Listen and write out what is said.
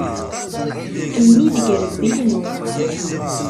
Mmi deg yirebbi-inu.